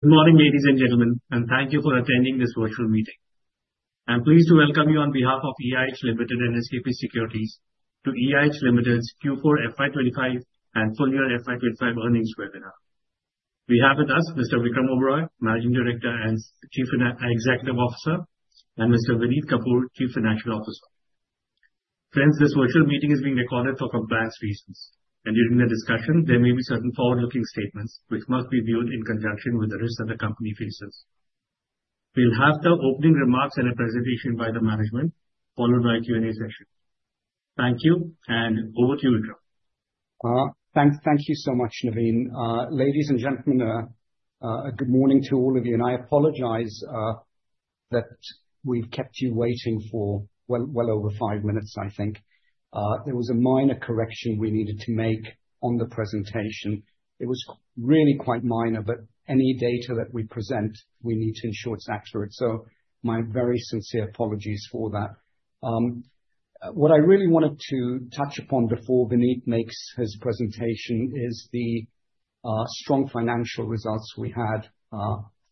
Good morning, ladies and gentlemen, and thank you for attending this virtual meeting. I'm pleased to welcome you on behalf of EIH Limited and SKP Securities to EIH Limited's Q4 FY 2025 and full year FY 2025 earnings webinar. We have with us Mr. Vikram Oberoi, Managing Director and Chief Executive Officer, and Mr. Vineet Kapur, Chief Financial Officer. Friends, this virtual meeting is being recorded for compliance reasons, and during the discussion, there may be certain forward-looking statements which must be viewed in conjunction with the risks that the company faces. We'll have the opening remarks and a presentation by the management, followed by a Q&A session. Thank you, and over to you, Vikram. Thank you so much, Naveen. Ladies and gentlemen, good morning to all of you, and I apologize that we've kept you waiting for well over five minutes, I think. There was a minor correction we needed to make on the presentation. It was really quite minor, but any data that we present, we need to ensure it's accurate. So my very sincere apologies for that. What I really wanted to touch upon before Vineet makes his presentation is the strong financial results we had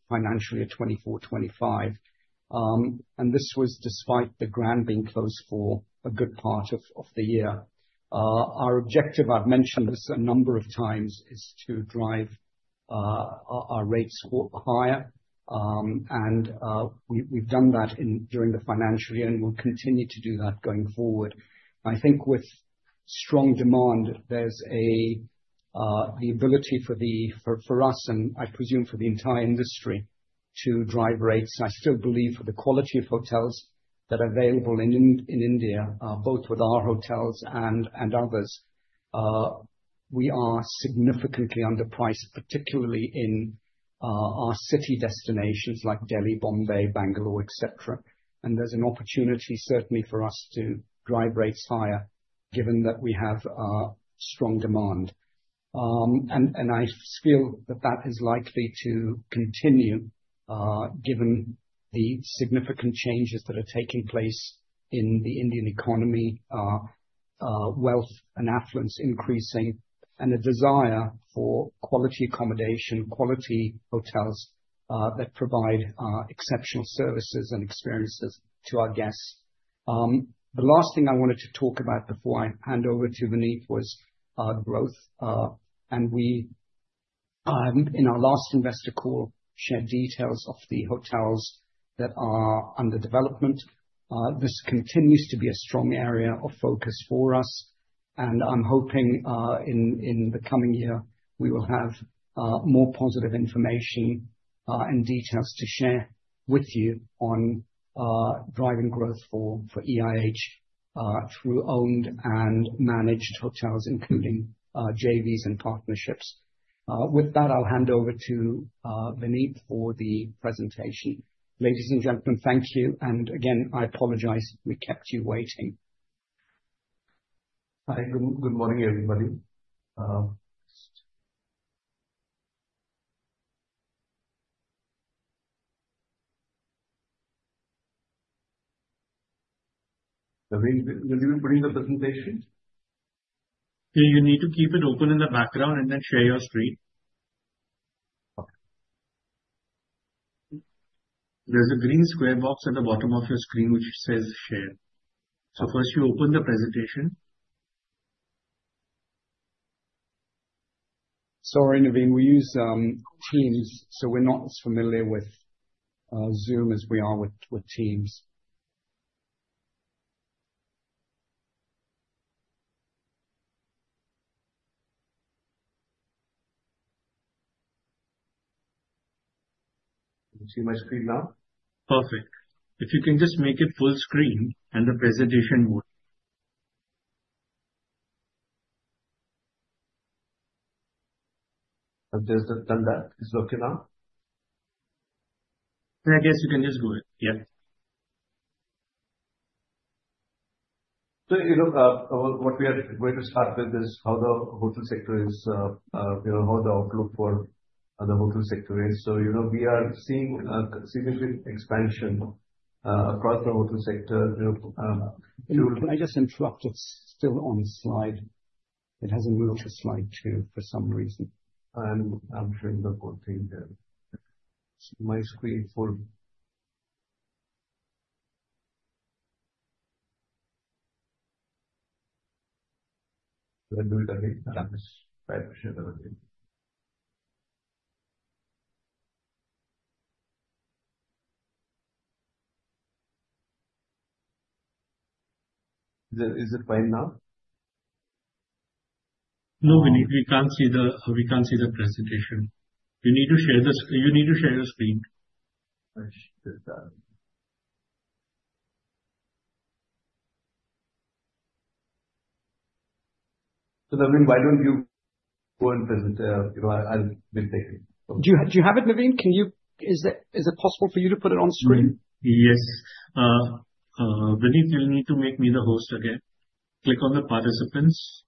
financially at 2024-2025, and this was despite the Grand being closed for a good part of the year. Our objective, I've mentioned this a number of times, is to drive our rates higher, and we've done that during the financial year, and we'll continue to do that going forward. I think with strong demand, there's the ability for us, and I presume for the entire industry, to drive rates. I still believe for the quality of hotels that are available in India, both with our hotels and others, we are significantly underpriced, particularly in our city destinations like Delhi, Bombay, Bangalore, etc. There's an opportunity certainly for us to drive rates higher, given that we have strong demand. I feel that that is likely to continue, given the significant changes that are taking place in the Indian economy, wealth and affluence increasing, and a desire for quality accommodation, quality hotels that provide exceptional services and experiences to our guests. The last thing I wanted to talk about before I hand over to Vineet was growth, and we, in our last investor call, shared details of the hotels that are under development. This continues to be a strong area of focus for us, and I'm hoping in the coming year we will have more positive information and details to share with you on driving growth for EIH through owned and managed hotels, including JVs and partnerships. With that, I'll hand over to Vineet for the presentation. Ladies and gentlemen, thank you, and again, I apologize we kept you waiting. Hi, good morning, everybody. Navin, will you be putting the presentation? Yeah, you need to keep it open in the background and then share your screen. Okay. There's a green square box at the bottom of your screen which says Share. First, you open the presentation. Sorry, Navin, we use Teams, so we're not as familiar with Zoom as we are with Teams. Can you see my screen now? Perfect. If you can just make it full screen and the presentation mode. I've just done that. It's looking now. I guess you can just go ahead. Yeah. What we are going to start with is how the hotel sector is, how the outlook for the hotel sector is. We are seeing significant expansion across the hotel sector. Can I just interrupt? It's still on the slide. It hasn't moved to slide two for some reason. I'm showing the whole thing there. My screen full. Let me share the screen. Is it fine now? No, Vineet, we can't see the presentation. You need to share the screen. Navin, why don't you go and present? I'll be taking. Do you have it, Navin? Is it possible for you to put it on screen? Yes. Vineet, you'll need to make me the host again. Click on the participants.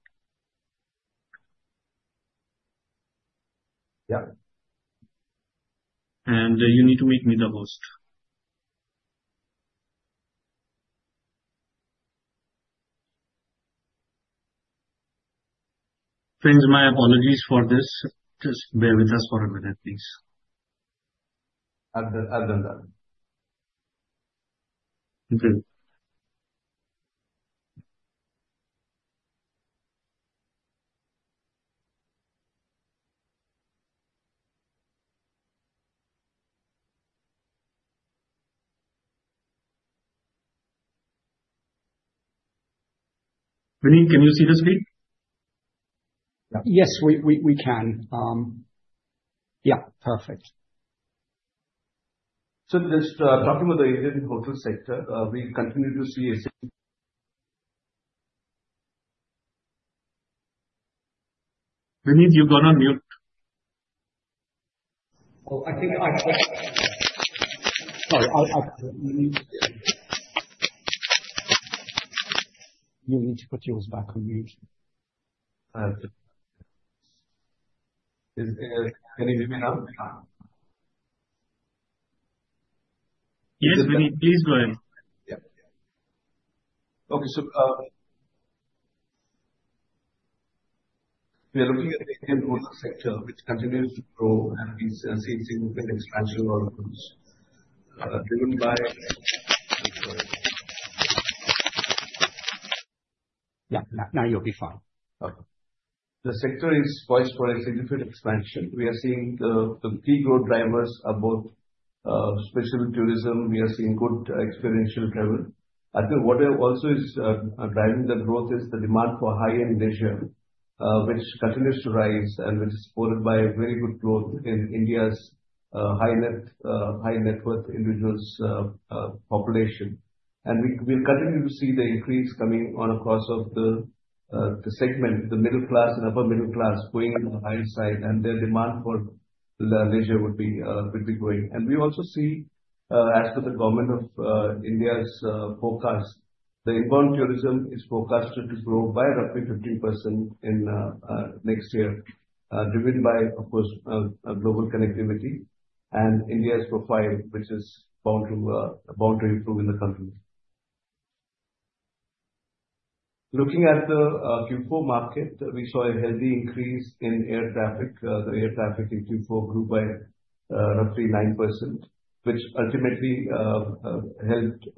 Yeah. You need to make me the host. Friends, my apologies for this. Just bear with us for a minute, please. I've done that. Okay. Vineet, can you see the screen? Yes, we can. Yeah, perfect. Just talking about the Indian hotel sector, we continue to see. Vineet, you're going on mute. Oh, I think I've got it. Sorry. You need to put yours back on mute. Is there anything we can help? Yes, Vineet, please go ahead. Yeah. Okay. So we are looking at the Indian hotel sector, which continues to grow and is seeing significant expansion or growth driven by. Yeah, now you'll be fine. Okay. The sector is poised for a significant expansion. We are seeing the key growth drivers are both special tourism. We are seeing good experiential travel. I think what also is driving the growth is the demand for high-end leisure, which continues to rise and which is supported by very good growth in India's high-net-worth individuals' population. We will continue to see the increase coming on across the segment, the middle class and upper middle class going on the higher side, and their demand for leisure would be growing. We also see, as per the government of India's forecast, the inbound tourism is forecasted to grow by roughly 15% next year, driven by, of course, global connectivity and India's profile, which is bound to improve in the country. Looking at the Q4 market, we saw a healthy increase in air traffic. The air traffic in Q4 grew by roughly 9%, which ultimately helped the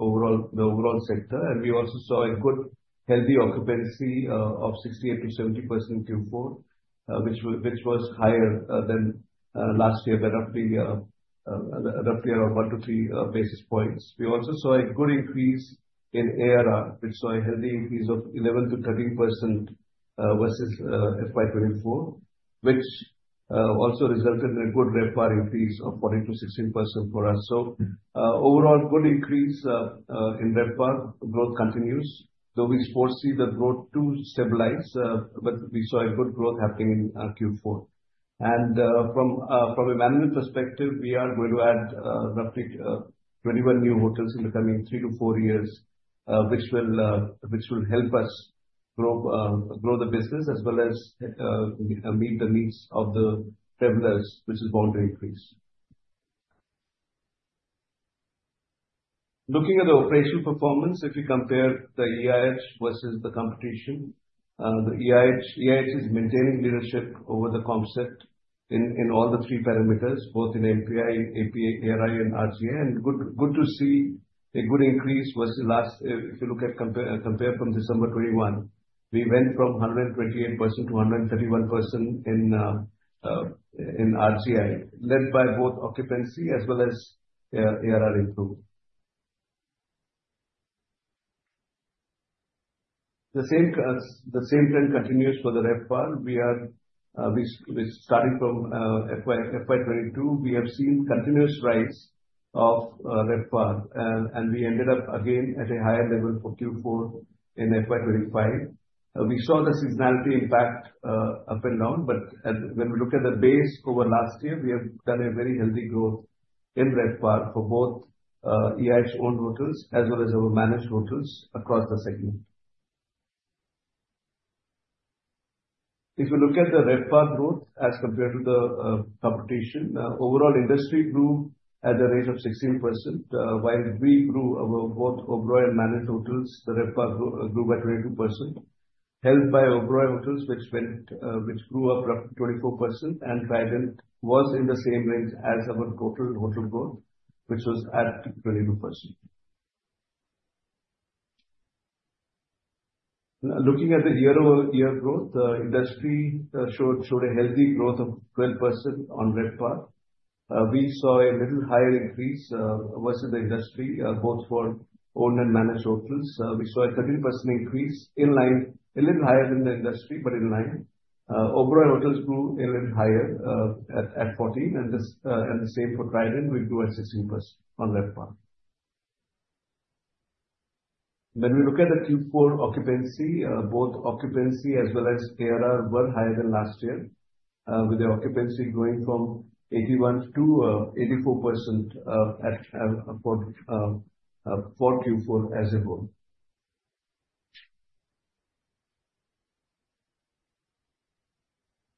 overall sector. We also saw a good healthy occupancy of 68%-70% in Q4, which was higher than last year, roughly around one to three basis points. We also saw a good increase in ARR, which saw a healthy increase of 11%-13% versus FY 2024, which also resulted in a good RevPAR increase of 14%-16% for us. Overall, good increase in RevPAR growth continues, though we foresee the growth to stabilize, but we saw a good growth happening in Q4. From a management perspective, we are going to add roughly 21 new hotels in the coming three to four years, which will help us grow the business as well as meet the needs of the travelers, which is bound to increase. Looking at the operational performance, if you compare the EIH versus the competition, the EIH is maintaining leadership over the comp set in all the three parameters, both in MPI, API, ARI, and RGI. Good to see a good increase versus last, if you look at compared from December 2021, we went from 128% to 131% in RGI, led by both occupancy as well as ARR improvement. The same trend continues for the red bar. Starting from FY 2022, we have seen continuous rise of red bar, and we ended up again at a higher level for Q4 in FY 2025. We saw the seasonality impact up and down, but when we look at the base over last year, we have done a very healthy growth in red bar for both EIH-owned hotels as well as our managed hotels across the segment. If you look at the RevPAR growth as compared to the competition, overall industry grew at a rate of 16%, while we grew both overall and managed hotels. The RevPAR grew by 22%, held by overall hotels, which grew up roughly 24%, and Trident was in the same range as our total hotel growth, which was at 22%. Looking at the year-over-year growth, the industry showed a healthy growth of 12% on RevPAR. We saw a little higher increase versus the industry, both for owned and managed hotels. We saw a 13% increase in line, a little higher than the industry, but in line. Overall, hotels grew a little higher at 14%, and the same for Trident. We grew at 16% on RevPAR. When we look at the Q4 occupancy, both occupancy as well as ARR were higher than last year, with the occupancy going from 81% to 84% for Q4 as a whole.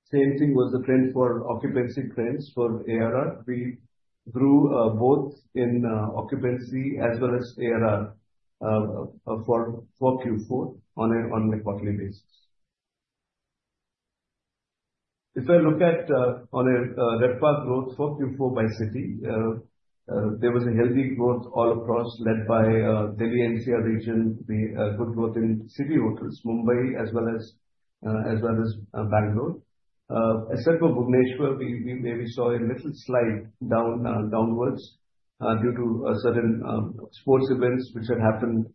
Same thing was the trend for occupancy trends for ARR. We grew both in occupancy as well as ARR for Q4 on a quarterly basis. If I look at RevPAR growth for Q4 by city, there was a healthy growth all across, led by Delhi and SEA region, good growth in city hotels, Mumbai, as well as Bangalore. Except for Bhubaneswar, we maybe saw a little slide downwards due to certain sports events which had happened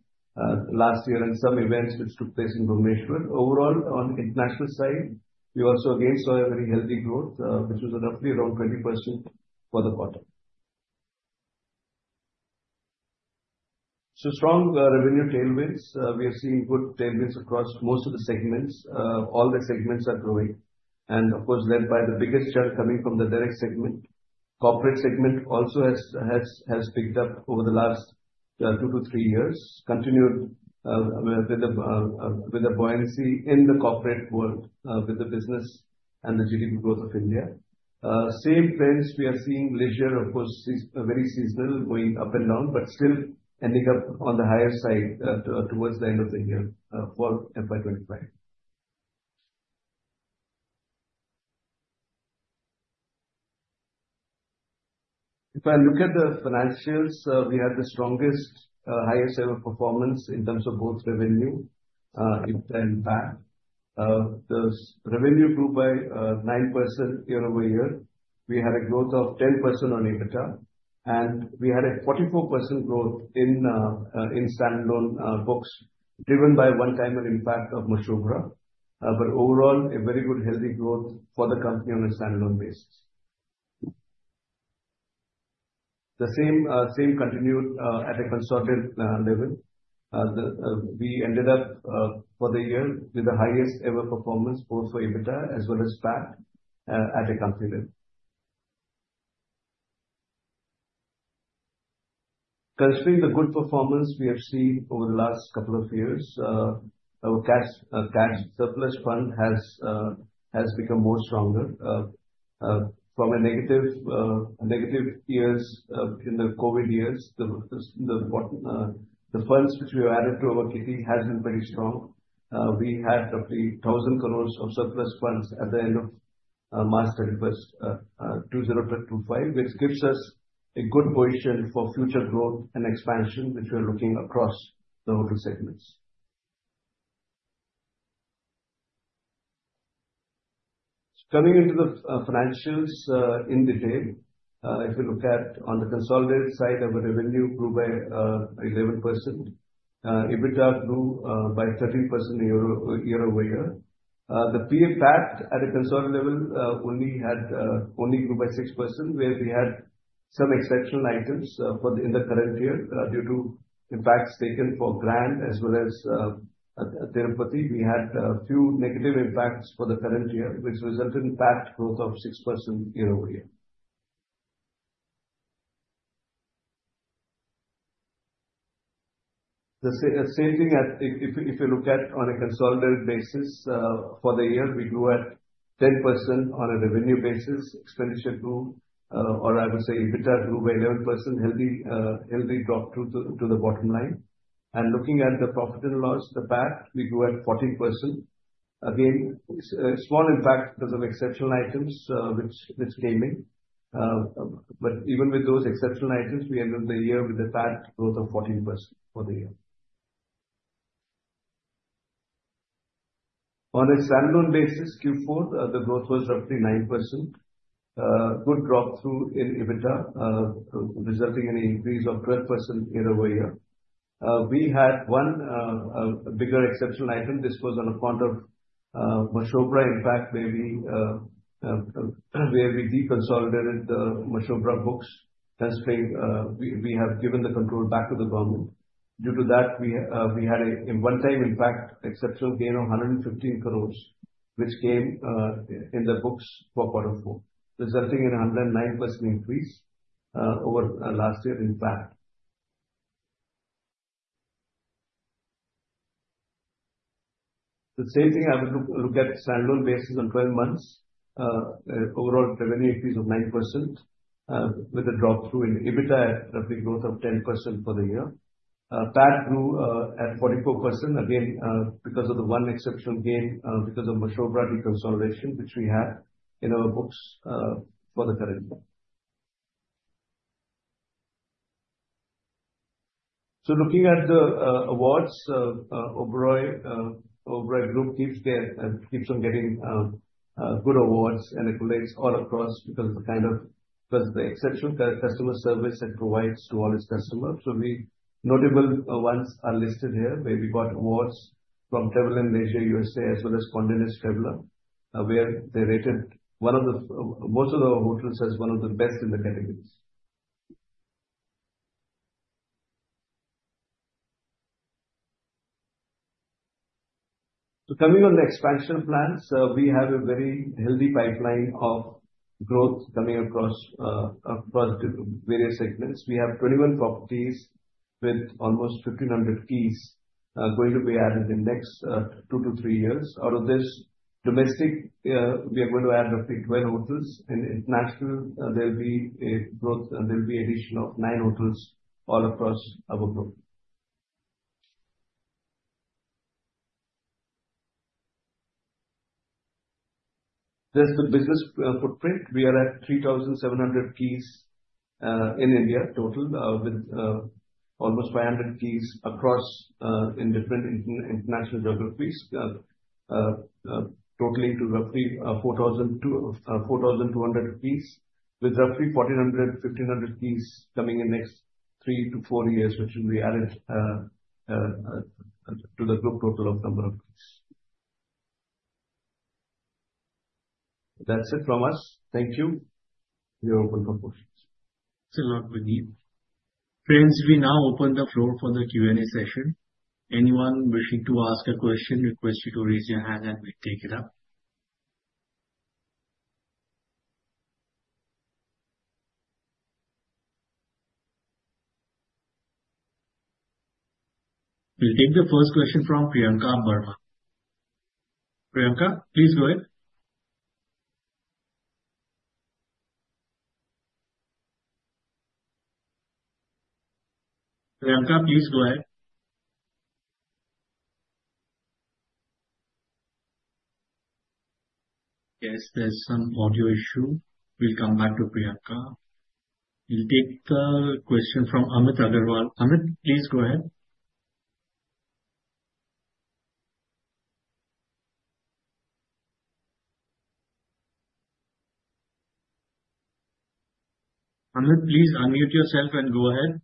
last year and some events which took place in Bhubaneswar. Overall, on the international side, we also again saw a very healthy growth, which was roughly around 20% for the quarter. Strong revenue tailwinds. We have seen good tailwinds across most of the segments. All the segments are growing, and of course, led by the biggest churn coming from the direct segment. Corporate segment also has picked up over the last two to three years, continued with the buoyancy in the corporate world, with the business and the GDP growth of India. Same trends, we are seeing leisure, of course, very seasonal, going up and down, but still ending up on the higher side towards the end of the year for FY 2025. If I look at the financials, we had the strongest highest-ever performance in terms of both revenue and PAT. The revenue grew by 9% year-over-year. We had a growth of 10% on EBITDA, and we had a 44% growth in standalone books, driven by one-timer impact of Mashobra. Overall, a very good healthy growth for the company on a standalone basis. The same continued at a consolidated level. We ended up for the year with the highest-ever performance, both for EBITDA as well as PAT at a company level. Considering the good performance we have seen over the last couple of years, our cash surplus fund has become more strong. From negative years in the COVID years, the funds which we have added to our kitty have been pretty strong. We had roughly 1,000 crore of surplus funds at the end of March 31, 2025, which gives us a good position for future growth and expansion, which we are looking across the hotel segments. Coming into the financials in detail, if you look at on the consolidated side, our revenue grew by 11%. EBITDA grew by 13% year-over-year. The PAT at a consolidated level only grew by 6%, where we had some exceptional items in the current year due to impacts taken for grant as well as therapy. We had a few negative impacts for the current year, which resulted in PAT growth of 6% year-over-year. The same thing, if you look at on a consolidated basis for the year, we grew at 10% on a revenue basis. Expenditure grew, or I would say EBITDA grew by 11%, healthy drop to the bottom line. Looking at the profit and loss, the PAT, we grew at 14%. Again, small impact because of exceptional items which came in. Even with those exceptional items, we ended the year with a PAT growth of 14% for the year. On a standalone basis, Q4, the growth was roughly 9%. Good drop through in EBITDA, resulting in an increase of 12% year-over-year. We had one bigger exceptional item. This was on account of Mashobra impact, where we deconsolidated the Mashobra books. We have given the control back to the government. Due to that, we had a one-time impact, exceptional gain of 115 crores, which came in the books for quarter four, resulting in a 109% increase over last year in PAT. The same thing, I would look at standalone basis on 12 months, overall revenue increase of 9%, with a drop through in EBITDA at roughly growth of 10% for the year. PAT grew at 44%, again, because of the one exceptional gain because of Mashobra deconsolidation, which we had in our books for the current year. Looking at the awards, Oberoi Group keeps on getting good awards and accolades all across because of the exceptional customer service it provides to all its customers. The notable ones are listed here, where we got awards from Travel + Leisure USA as well as Spontaneous Traveler, where they rated most of our hotels as one of the best in the categories. Coming on the expansion plans, we have a very healthy pipeline of growth coming across various segments. We have 21 properties with almost 1,500 keys going to be added in the next two to three years. Out of this domestic, we are going to add roughly 12 hotels. In international, there will be a growth, and there will be an addition of nine hotels all across our globe. There is the business footprint. We are at 3,700 keys in India total, with almost 500 keys across in different international geographies, totaling to roughly 4,200 keys, with roughly 1,400-1,500 keys coming in the next three to four years, which will be added to the group total of number of keys. That's it from us. Thank you. You're open for questions. Thanks a lot, Vineet. Friends, we now open the floor for the Q&A session. Anyone wishing to ask a question, request you to raise your hand, and we'll take it up. We'll take the first question from Priyanka Barma. Priyanka, please go ahead. Priyanka, please go ahead. Yes, there's some audio issue. We'll come back to Priyanka. We'll take the question from Amit Agarwal. Amit, please go ahead. Amit, please unmute yourself and go ahead.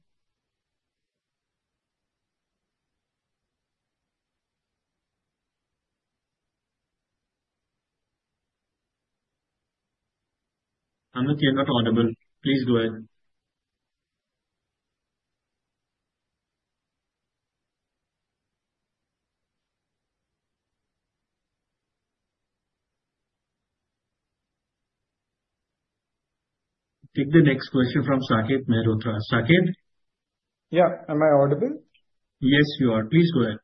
Amit, you're not audible. Please go ahead. Take the next question from Saket Mehrotra. Saket? Yeah. Am I audible? Yes, you are. Please go ahead.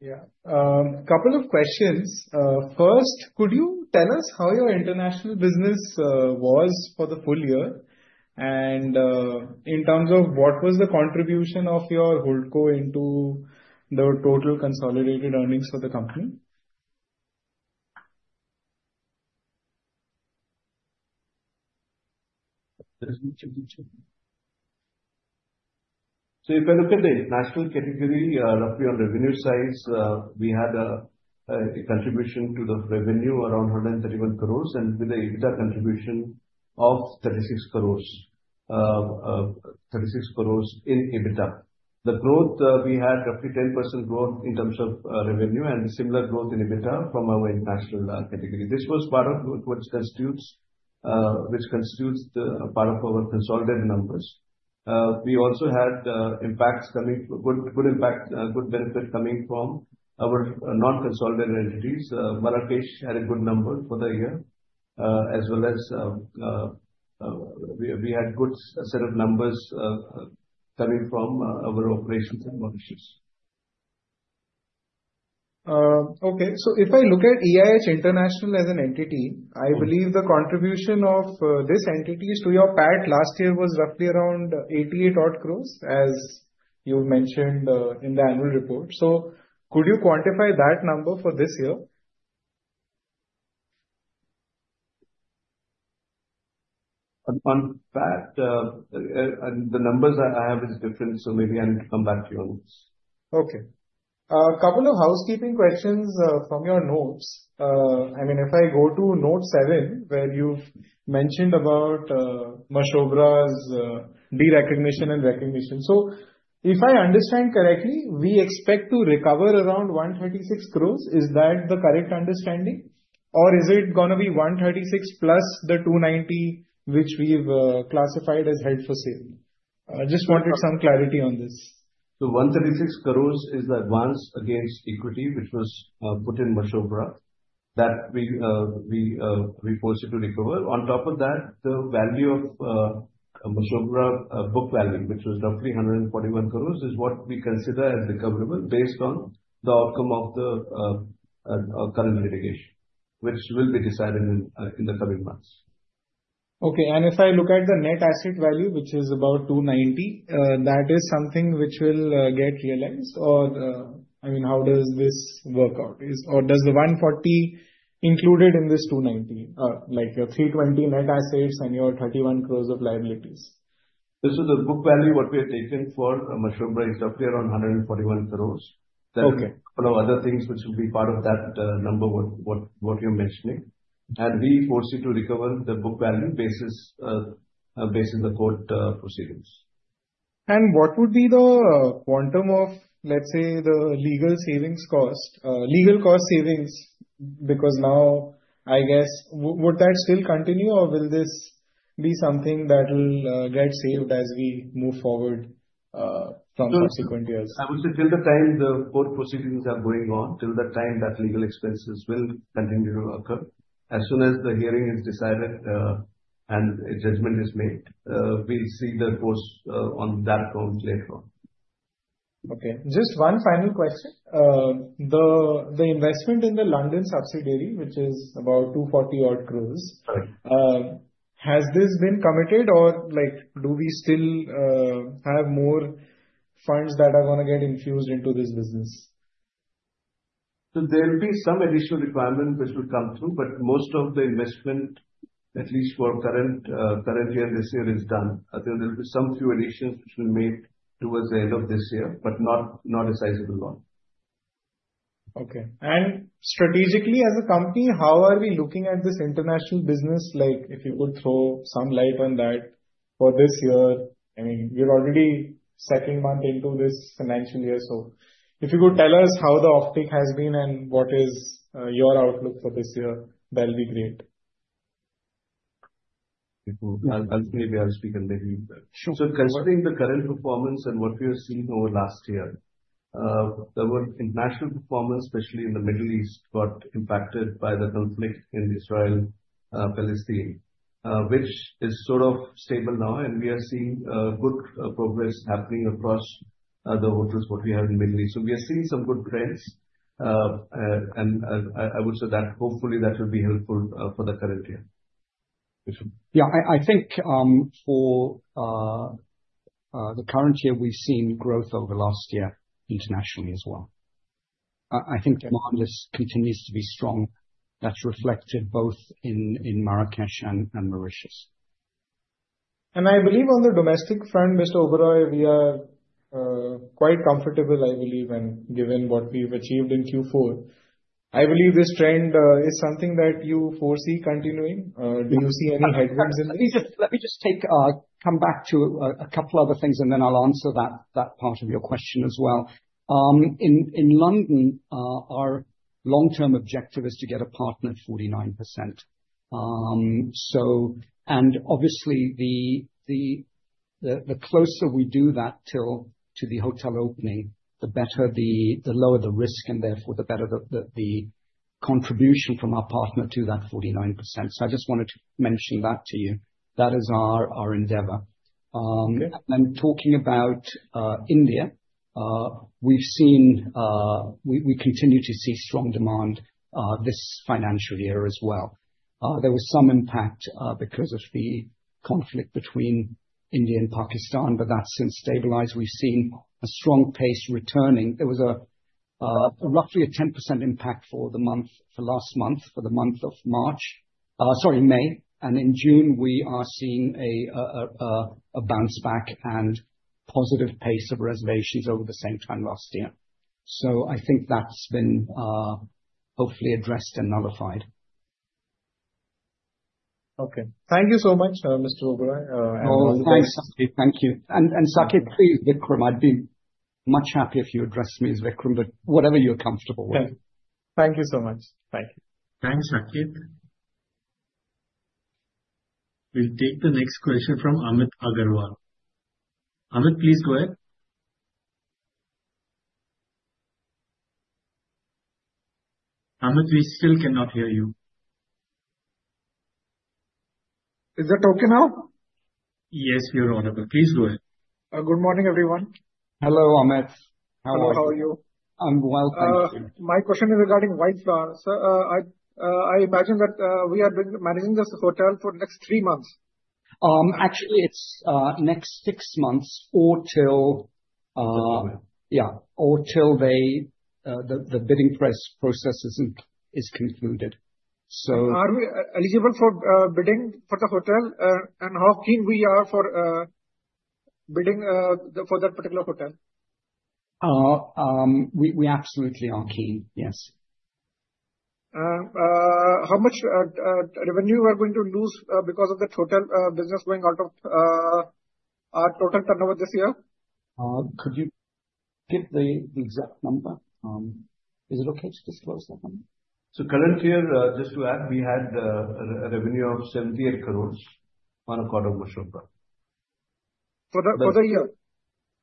Yeah. Couple of questions. First, could you tell us how your international business was for the full year? And in terms of what was the contribution of your holdco into the total consolidated earnings for the company? If I look at the international category, roughly on revenue sides, we had a contribution to the revenue around 131 crores and with an EBITDA contribution of 36 crores, 36 crores in EBITDA. The growth we had, roughly 10% growth in terms of revenue and similar growth in EBITDA from our international category. This was part of what constitutes part of our consolidated numbers. We also had impacts coming, good benefit coming from our non-consolidated entities. Marrakesh had a good number for the year, as well as we had good set of numbers coming from our operations and mortgages. Okay. If I look at EIH International as an entity, I believe the contribution of this entity to your PAT last year was roughly around 88 crores, as you mentioned in the annual report. Could you quantify that number for this year? On PAT, the numbers I have are different, so maybe I need to come back to your notes. Okay. Couple of housekeeping questions from your notes. I mean, if I go to note seven, where you mentioned about Mashobra's de-recognition and recognition. If I understand correctly, we expect to recover around 136 crores. Is that the correct understanding? Or is it going to be 136 crore plus the 290 crore, which we've classified as held for sale? I just wanted some clarity on this. 136 crores is the advance against equity which was put in Mashobra that we forced it to recover. On top of that, the value of Mashobra book value, which was roughly 141 crores, is what we consider as recoverable based on the outcome of the current litigation, which will be decided in the coming months. Okay. If I look at the net asset value, which is about 290 crore, that is something which will get realized? I mean, how does this work out? Does the 140 crore included in this 290 crore, like your 320 crore net assets and your 31 crore of liabilities? This is the book value what we have taken for Mashobra, is roughly around 141 crores. There are a couple of other things which will be part of that number what you're mentioning. We force it to recover the book value based on the court proceedings. What would be the quantum of, let's say, the legal cost savings? Because now, I guess, would that still continue or will this be something that will get saved as we move forward from subsequent years? I would say till the time the court proceedings are going on, till the time that legal expenses will continue to occur. As soon as the hearing is decided and a judgment is made, we'll see the cost on that count later on. Okay. Just one final question. The investment in the London subsidiary, which is about 240 crores, has this been committed or do we still have more funds that are going to get infused into this business? There will be some additional requirement which will come through, but most of the investment, at least for current year, this year is done. There will be some few additions which will be made towards the end of this year, but not a sizable one. Okay. Strategically, as a company, how are we looking at this international business? If you could throw some light on that for this year. I mean, we're already second month into this financial year. If you could tell us how the offtake has been and what is your outlook for this year, that'll be great. I'll maybe ask you can leave me. Considering the current performance and what we are seeing over last year, our international performance, especially in the Middle East, got impacted by the conflict in Israel, Palestine, which is sort of stable now. We are seeing good progress happening across the hotels we have in the Middle East. We are seeing some good trends. I would say that hopefully that will be helpful for the current year. Yeah. I think for the current year, we've seen growth over last year internationally as well. I think demand just continues to be strong. That's reflected both in Marrakesh and Mauritius. I believe on the domestic front, Mr. Oberoi, we are quite comfortable, I believe, and given what we've achieved in Q4. I believe this trend is something that you foresee continuing. Do you see any headwinds in this? Let me just come back to a couple of other things, and then I'll answer that part of your question as well. In London, our long-term objective is to get a partner at 49%. Obviously, the closer we do that till the hotel opening, the lower the risk, and therefore the better the contribution from our partner to that 49%. I just wanted to mention that to you. That is our endeavor. Talking about India, we continue to see strong demand this financial year as well. There was some impact because of the conflict between India and Pakistan, but that has since stabilized. We have seen a strong pace returning. There was roughly a 10% impact for the last month, for the month of May. In June, we are seeing a bounce back and positive pace of reservations over the same time last year. I think that has been hopefully addressed and nullified. Thank you so much, Mr. Oberoi. Thank you. Sakith, please, Vikram. I would be much happier if you address me as Vikram, but whatever you are comfortable with. Thank you so much. Thank you. Thanks, Sakith. We will take the next question from Amit Agarwal. Amit, please go ahead. Amit, we still cannot hear you. Is that okay now? Yes, you are audible. Please go ahead. Good morning, everyone. Hello, Amit. How are you? I'm well, thank you. My question is regarding Wildflower. I imagine that we are managing this hotel for the next three months. Actually, it's next six months or till. Yeah, or till the bidding process is concluded. Are we eligible for bidding for the hotel? And how keen we are for bidding for that particular hotel? We absolutely are keen, yes. How much revenue are we going to lose because of the total business going out of our total turnover this year? Could you give the exact number? Is it okay to disclose that number? Current year, just to add, we had a revenue of 78 crores on account of Mashobra. For the year?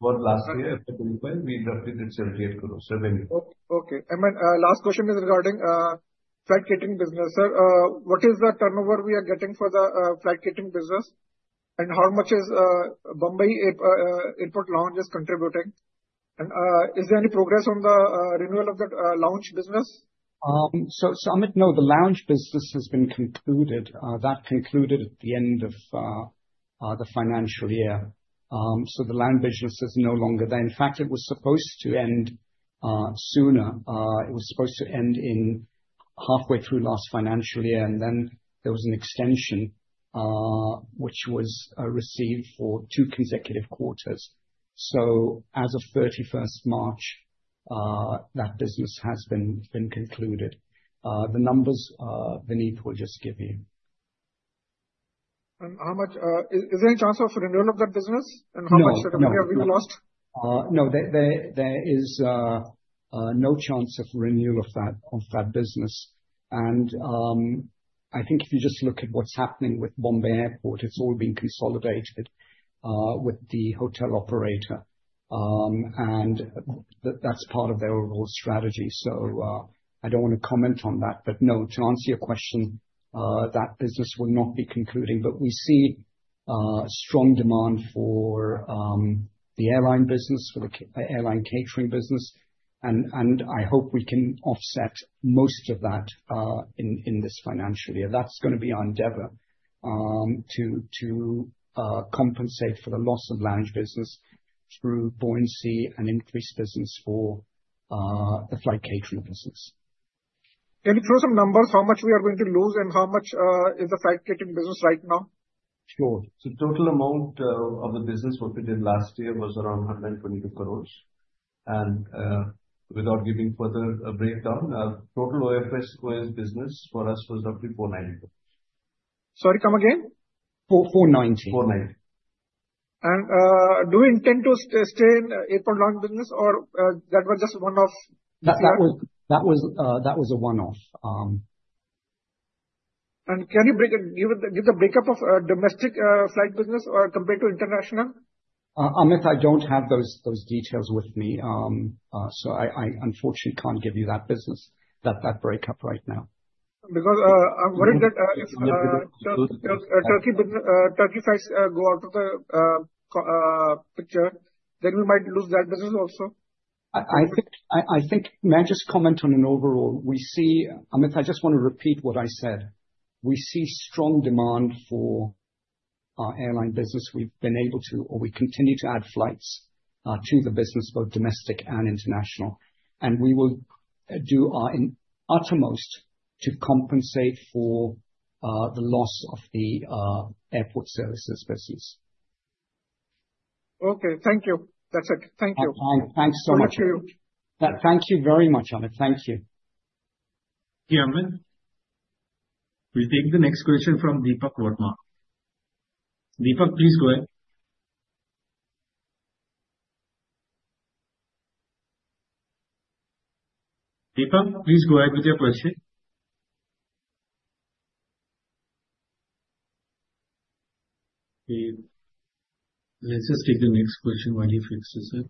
For last year, for 2025, we roughly did 78 crores revenue. Okay. My last question is regarding flight catering business. What is the turnover we are getting for the flight catering business? And how much is Bombay Airport Lounge contributing? And is there any progress on the renewal of the lounge business? Amit, no, the lounge business has been concluded. That concluded at the end of the financial year. The lounge business is no longer there. In fact, it was supposed to end sooner. It was supposed to end halfway through last financial year. There was an extension, which was received for two consecutive quarters. As of 31st March, that business has been concluded. The numbers Vaneet will just give you. Is there any chance of renewal of that business? And how much revenue have we lost? No, there is no chance of renewal of that business. I think if you just look at what's happening with Bombay Airport, it's all being consolidated with the hotel operator. That's part of their overall strategy. I don't want to comment on that. No, to answer your question, that business will not be concluding. We see strong demand for the airline business, for the airline catering business. I hope we can offset most of that in this financial year. That's going to be our endeavor to compensate for the loss of lounge business through buoyancy and increased business for the flight catering business. Can you throw some numbers? How much are we going to lose and how much is the flight catering business right now? Sure. The total amount of the business we did last year was around 122 crores. Without giving further breakdown, total OFS business for us was roughly 490. Sorry, come again? 490. 490. Do you intend to stay in airport lounge business or that was just one-off? That was a one-off. Can you give the breakup of domestic flight business compared to international? Amit, I do not have those details with me. I unfortunately cannot give you that breakup right now. I am worried that if Turkey flights go out of the picture, then we might lose that business also. I think may I just comment on an overall? Amit, I just want to repeat what I said. We see strong demand for our airline business. We have been able to, or we continue to add flights to the business, both domestic and international. We will do our uttermost to compensate for the loss of the airport services business. Okay. Thank you. That's it. Thank you. Thanks so much. Thank you very much, Amit. Thank you. Yeah, Amit. We'll take the next question from Deepak Varma. Deepak, please go ahead. Deepak, please go ahead with your question. Let's just take the next question while you fix this one.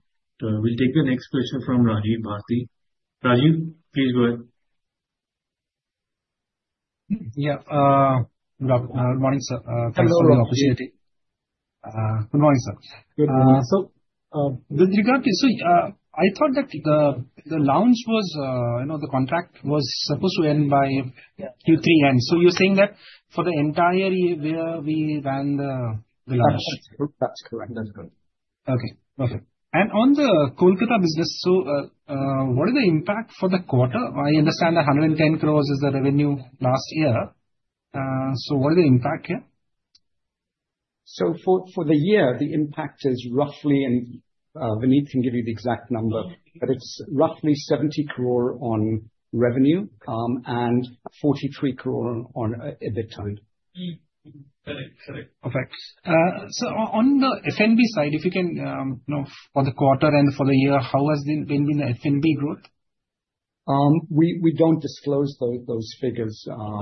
We'll take the next question from Rajiv Bharti. Rajiv, please go ahead. Yeah. Good morning, sir. Thanks for the opportunity. Good morning, sir. Good morning. With regard to, I thought that the lounge was, you know, the contract was supposed to end by Q3 end. You're saying that for the entire year we ran the lounge? That's correct. That's correct. Okay. Okay. On the Kolkata business, what is the impact for the quarter? I understand that 110 crores is the revenue last year. What is the impact here? For the year, the impact is roughly, and Vineet can give you the exact number, but it's roughly 700 crore on revenue and 430 crore on EBITDA. Perfect. On the F&B side, if you can, for the quarter and for the year, how has there been the F&B growth? We don't disclose those figures. Lastly,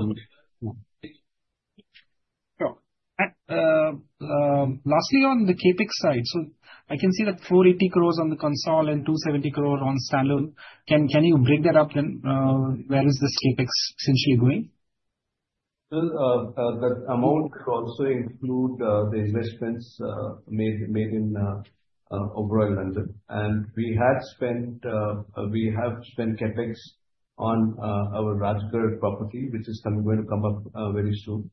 on the CapEx side, I can see that 480 crores on the consolidated and 270 crore on standalone. Can you break that up then? Where is this CapEx essentially going? That amount also includes the investments made in Oberoi London. We have spent CapEx on our Rajgir property, which is going to come up very soon.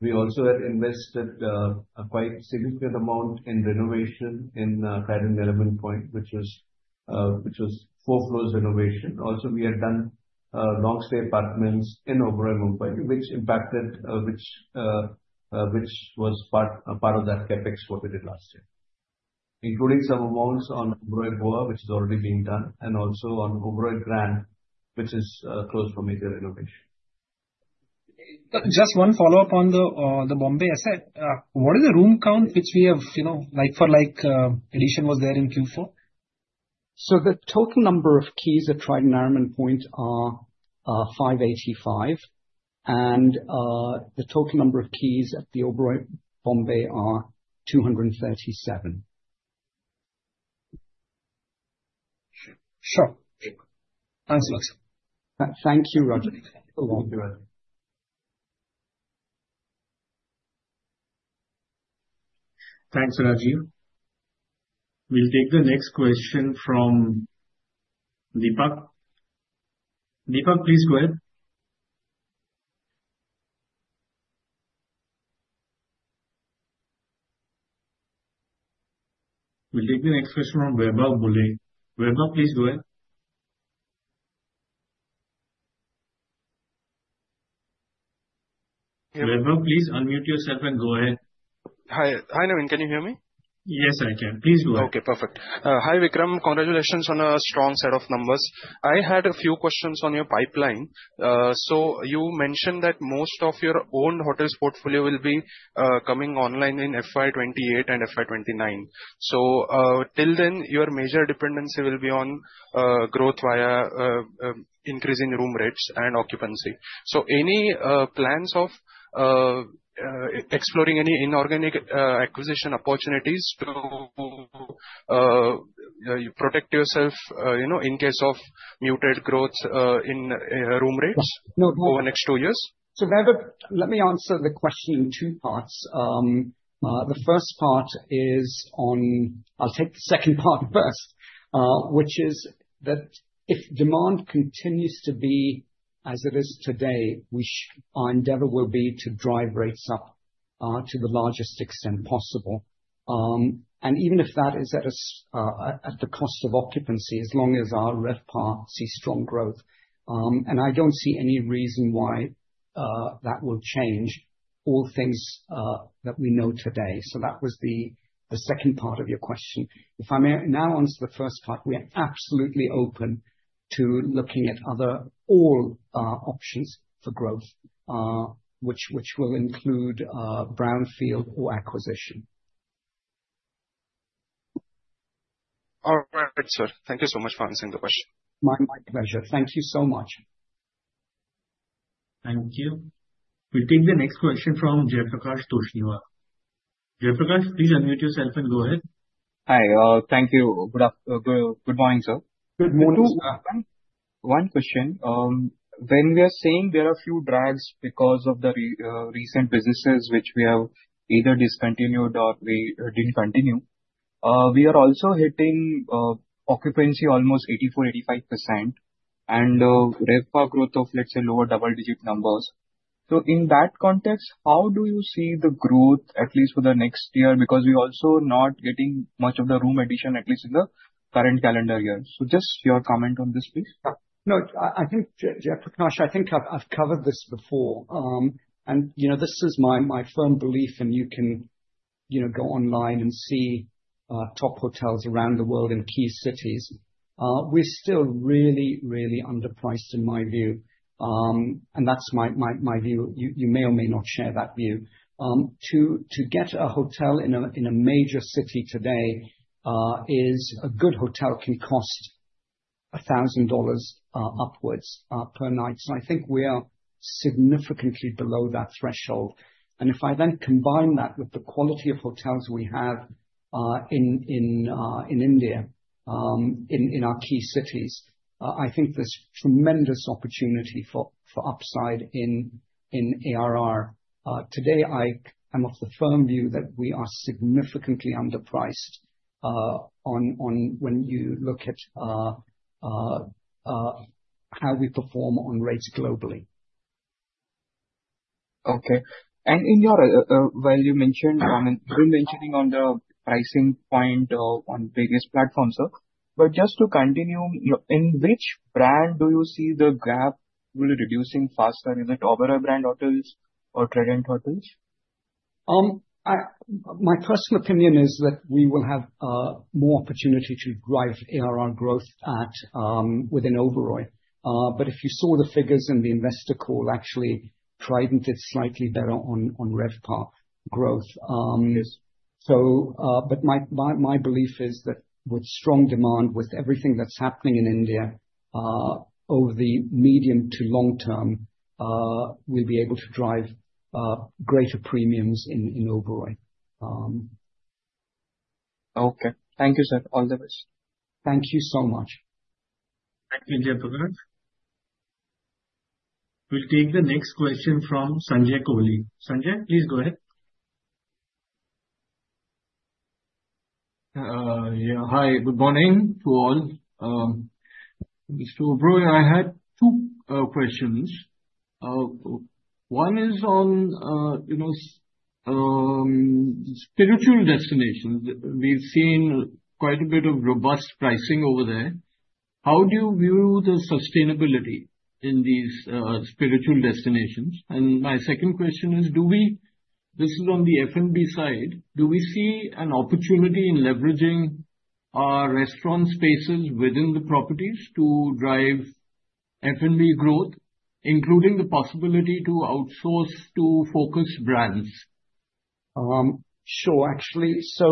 We also had invested a quite significant amount in renovation in Trident Nariman Point, which was four floors renovation. Also, we had done long-stay apartments in Oberoi Mumbai, which impacted, which was part of that CapEx what we did last year, including some amounts on Oberoi Boa, which is already being done, and also on Oberoi Grand, which is closed for major renovation. Just one follow-up on the Bombay asset. What is the room count which we have, like for like edition was there in Q4? So the total number of keys at Trident Nariman Point are 585. And the total number of keys at the Oberoi Mumbai are 237. Sure. Thanks, sir. Thank you, Rajiv. Thank you, Rajiv. Thanks, Rajiv. We'll take the next question from Deepak. Deepak, please go ahead. We'll take the next question from Weber Bulle. Weber, please go ahead. Weber, please unmute yourself and go ahead. Hi, Navin. Can you hear me? Yes, I can. Please go ahead. Okay, perfect. Hi, Vikram. Congratulations on a strong set of numbers. I had a few questions on your pipeline. You mentioned that most of your own hotel portfolio will be coming online in FY 2028 and FY 2029. Till then, your major dependency will be on growth via increasing room rates and occupancy. Any plans of exploring any inorganic acquisition opportunities to protect yourself in case of muted growth in room rates over the next two years? Weber, let me answer the question in two parts. The first part is on, I'll take the second part first, which is that if demand continues to be as it is today, our endeavor will be to drive rates up to the largest extent possible. Even if that is at the cost of occupancy, as long as our RevPAR sees strong growth. I do not see any reason why that will change, all things that we know today. That was the second part of your question. If I may now answer the first part, we are absolutely open to looking at all options for growth, which will include brownfield or acquisition. All right, sir. Thank you so much for answering the question. My pleasure. Thank you so much. Thank you. We'll take the next question from Jayaprakash Toshniwal. Jayaprakash, please unmute yourself and go ahead. Hi. Thank you. Good morning, sir. Good morning, sir. One question. When we are saying there are a few drags because of the recent businesses which we have either discontinued or we did not continue, we are also hitting occupancy almost 84%-85%, and RevPAR growth of, let's say, lower double-digit numbers. In that context, how do you see the growth, at least for the next year? Because we're also not getting much of the room addition, at least in the current calendar year. Just your comment on this, please. No, I think, Jayaprakash, I think I've covered this before. This is my firm belief, and you can go online and see top hotels around the world in key cities. We're still really, really underpriced, in my view. That's my view. You may or may not share that view. To get a hotel in a major city today, a good hotel can cost $1,000 upwards per night. I think we are significantly below that threshold. If I then combine that with the quality of hotels we have in India, in our key cities, I think there's tremendous opportunity for upside in ARR. Today, I'm of the firm view that we are significantly underpriced when you look at how we perform on rates globally. Okay. And while you mentioned, I mean, you're mentioning on the pricing point on various platforms, sir. Just to continue, in which brand do you see the gap really reducing faster, in the Oberoi brand hotels or Trident hotels? My personal opinion is that we will have more opportunity to drive ARR growth within Oberoi. If you saw the figures in the investor call, actually, Trident did slightly better on RevPAR growth. My belief is that with strong demand, with everything that's happening in India, over the medium to long term, we'll be able to drive greater premiums in Oberoi. Okay. Thank you, sir. All the best. Thank you so much. Thank you, Jayaprakash. We'll take the next question from Sanjay Koli. Sanjay, please go ahead. Yeah. Hi. Good morning to all. Mr. Oberoi, I had two questions. One is on spiritual destinations. We've seen quite a bit of robust pricing over there. How do you view the sustainability in these spiritual destinations? And my second question is, this is on the F&B side. Do we see an opportunity in leveraging our restaurant spaces within the properties to drive F&B growth, including the possibility to outsource to focus brands? Sure, actually. So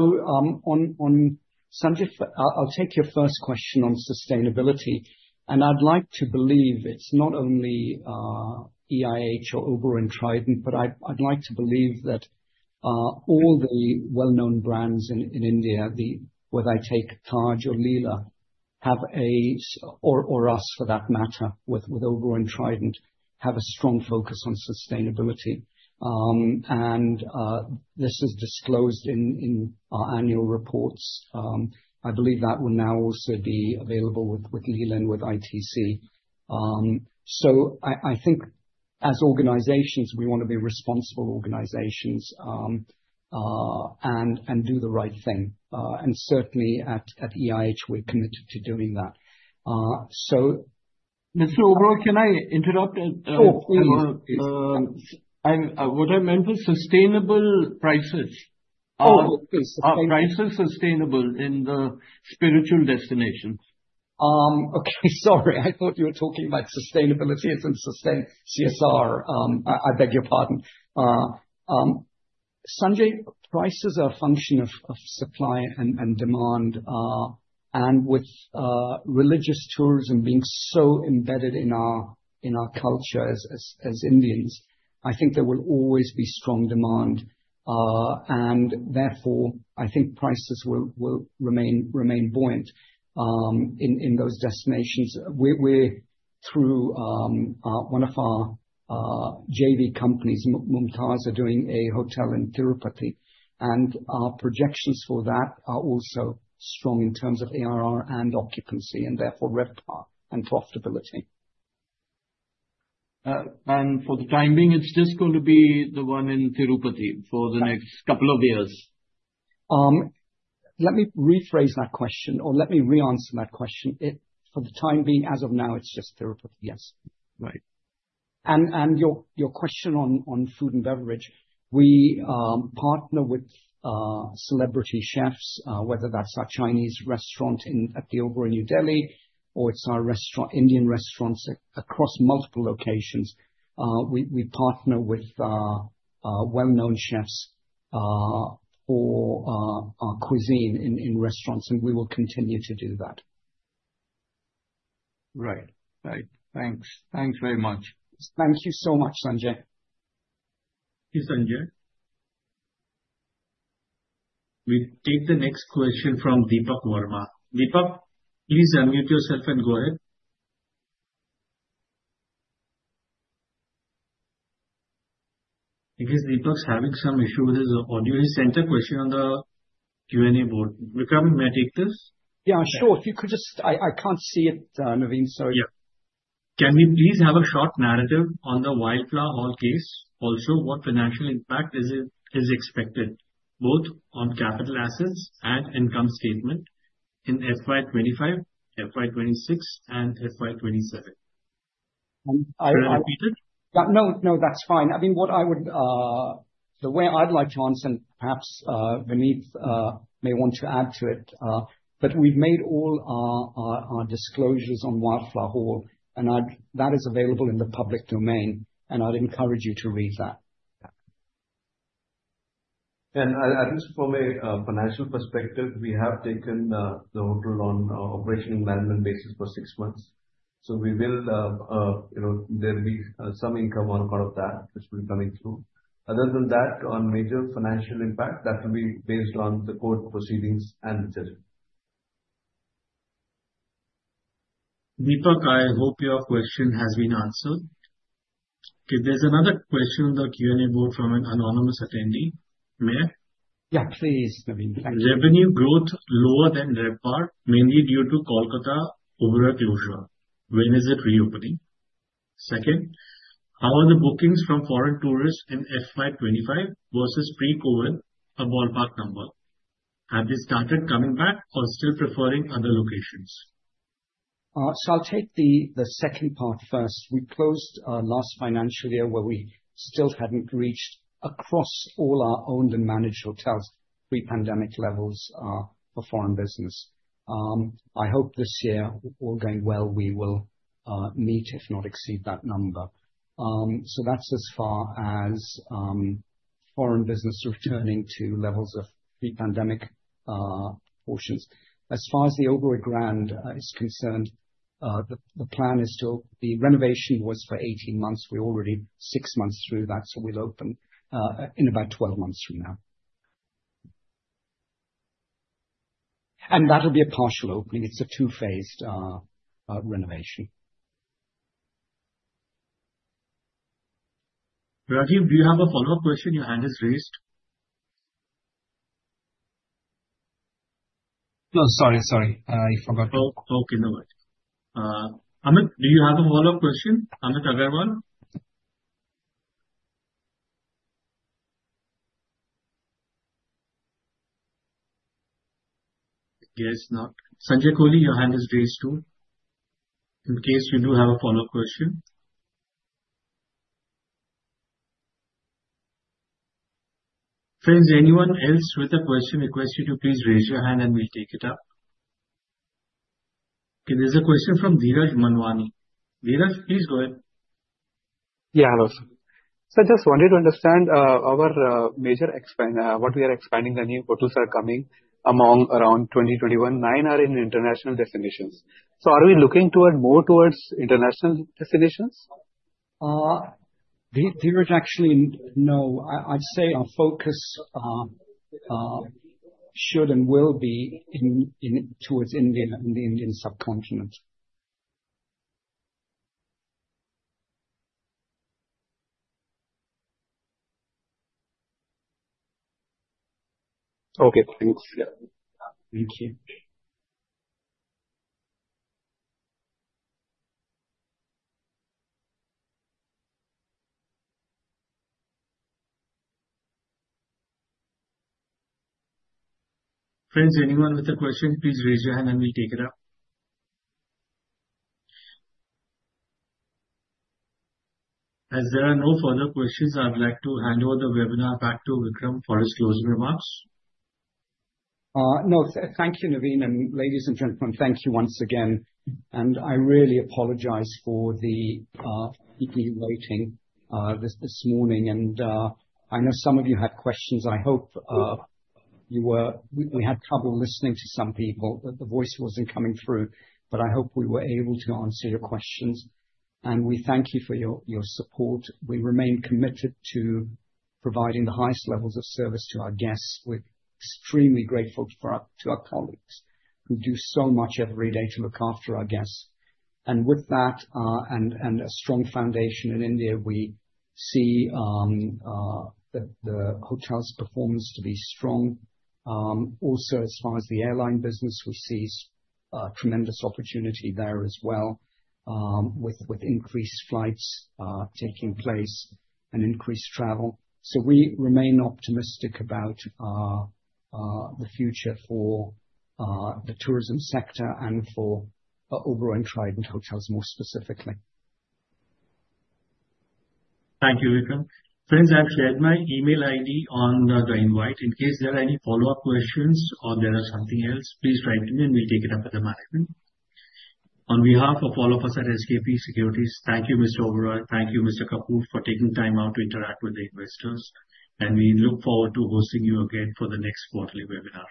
Sanjay, I'll take your first question on sustainability. I'd like to believe it's not only EIH or Oberoi and Trident, but I'd like to believe that all the well-known brands in India, whether I take Taj or Leela, have a, or us for that matter, with Oberoi and Trident, have a strong focus on sustainability. This is disclosed in our annual reports. I believe that will now also be available with Leela and with ITC. I think as organizations, we want to be responsible organizations and do the right thing. Certainly at EIH, we're committed to doing that. Mr. Oberoi, can I interrupt? Oh, please. What I meant was sustainable prices. Oh, okay. Prices sustainable in the spiritual destinations. Okay. Sorry. I thought you were talking about sustainability as in CSR. I beg your pardon. Sanjay, prices are a function of supply and demand. With religious tourism being so embedded in our culture as Indians, I think there will always be strong demand. Therefore, I think prices will remain buoyant in those destinations. Through one of our JV companies, Mumtaz are doing a hotel in Tirupati. Our projections for that are also strong in terms of ARR and occupancy, and therefore RevPAR and profitability. For the time being, it's just going to be the one in Tirupati for the next couple of years? Let me rephrase that question, or let me re-answer that question. For the time being, as of now, it's just Tirupati, yes. Right. Your question on food and beverage, we partner with celebrity chefs, whether that's our Chinese restaurant at the Oberoi New Delhi, or it's our Indian restaurants across multiple locations. We partner with well-known chefs for our cuisine in restaurants, and we will continue to do that. Right. Right. Thanks. Thanks very much. Thank you so much, Sanjay. Thank you, Sanjay. We'll take the next question from Deepak Varma. Deepak, please unmute yourself and go ahead. I guess Deepak's having some issue with his audio. He sent a question on the Q&A board. Vikram, may I take this? Yeah, sure. If you could just, I can't see it, Navin, so. Yeah. Can we please have a short narrative on the Wildflower Hall case? Also, what financial impact is expected, both on capital assets and income statement in FY 2025, FY 2026, and FY 2027? Can I repeat it? No, no, that's fine. I mean, what I would, the way I'd like to answer, and perhaps Vaneet may want to add to it, but we've made all our disclosures on Wildflower Hall, and that is available in the public domain. I'd encourage you to read that. At least from a financial perspective, we have taken the hotel on operational management basis for six months. There will be some income out of that, which will be coming through. Other than that, on major financial impact, that will be based on the court proceedings and the judge. Deepak, I hope your question has been answered. Okay. There's another question on the Q&A board from an anonymous attendee. May I? Yeah, please, Navin. Revenue growth lower than RevPAR, mainly due to Kolkata Oberoi closure. When is it reopening? Second, how are the bookings from foreign tourists in FY 2025 versus pre-COVID, a ballpark number? Have they started coming back or still preferring other locations? I'll take the second part first. We closed last financial year where we still hadn't reached across all our owned and managed hotels pre-pandemic levels for foreign business. I hope this year, all going well, we will meet, if not exceed, that number. That's as far as foreign business returning to levels of pre-pandemic portions. As far as the Oberoi Grand is concerned, the plan is to, the renovation was for 18 months. We're already six months through that, so we'll open in about 12 months from now. That'll be a partial opening. It's a two-phased renovation. Rajiv, do you have a follow-up question? Your hand is raised. No, sorry, sorry. I forgot. Okay, no worries. Amit, do you have a follow-up question? Amit Agarwal? Yes, not. Sanjay Koli, your hand is raised too. In case you do have a follow-up question. Friends, anyone else with a question request you to please raise your hand and we'll take it up. Okay, there's a question from Dheeraj Manwani. Dheeraj, please go ahead. Yeah, hello. I just wanted to understand our major expand, what we are expanding the new hotels are coming among around 2021, nine are in international destinations. Are we looking toward more towards international destinations? Dheeraj, actually, no. I'd say our focus should and will be towards India and the Indian subcontinent. Okay, thanks. Thank you. Friends, anyone with a question, please raise your hand and we'll take it up. As there are no further questions, I'd like to hand over the webinar back to Vikram for his closing remarks. No, thank you, Navin. Ladies and gentlemen, thank you once again. I really apologize for the people waiting this morning. I know some of you had questions. I hope you were, we had trouble listening to some people. The voice was not coming through. I hope we were able to answer your questions. We thank you for your support. We remain committed to providing the highest levels of service to our guests. We're extremely grateful to our colleagues who do so much every day to look after our guests. With that and a strong foundation in India, we see the hotel's performance to be strong. Also, as far as the airline business, we see tremendous opportunity there as well with increased flights taking place and increased travel. We remain optimistic about the future for the tourism sector and for Oberoi and Trident Hotels more specifically. Thank you, Vikram. Friends, I have shared my email ID on the invite. In case there are any follow-up questions or there is something else, please write to me and we will take it up with the management. On behalf of all of us at SKP Securities, thank you, Mr. Oberoi. Thank you, Mr. Kapoor, for taking time out to interact with the investors. We look forward to hosting you again for the next quarterly webinar.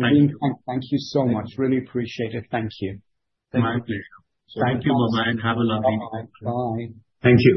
Navin, Thank you so much. Really appreciate it. Thank you. My pleasure. Thank you, bye-bye, and have a lovely day. Bye. Thank you.